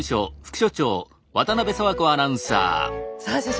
さあ所長